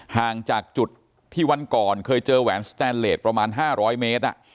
ห่างจากจุดที่วันก่อนเคยเจอแหวนสแตนเลสประมาณ๕๐๐เมตร